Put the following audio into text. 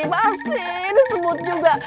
masih disebut juga